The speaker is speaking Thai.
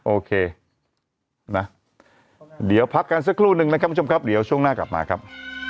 โอเคนะเดี๋ยวพักกันสักครู่นึงนะครับคุณผู้ชมครับเดี๋ยวช่วงหน้ากลับมาครับ